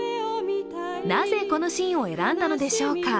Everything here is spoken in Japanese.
なぜ、このシーンを選んだのでしょうか。